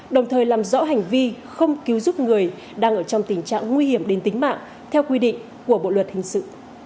đồng thời làm rõ hành vi không cứu giúp người đang ở trong tình trạng nguy hiểm đến tính mạng theo quy định của bộ luật hình sự